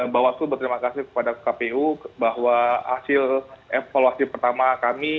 bawaslu berterima kasih kepada kpu bahwa hasil evaluasi pertama kami